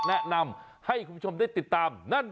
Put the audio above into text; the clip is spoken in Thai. นายหัวกาแฟสด